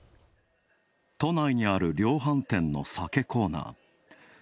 都内にある量販店の酒コーナー。